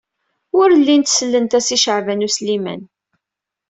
Ur llint sellent-as i Caɛban U Sliman.